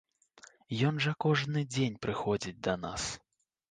Ён жа кожны дзень прыходзіць да нас.